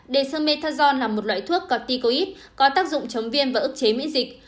dexamethasone là một loại thuốc corticoid có tác dụng chống viêm và ức chế miễn dịch